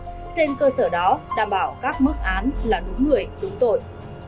trên cơ sở đó đảm bảo các mức án là đúng người đúng tội